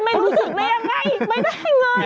ไม่ได้เงิน